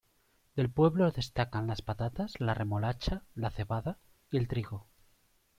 Del pueblo destacan las patatas, la remolacha, la cebada, y el trigo.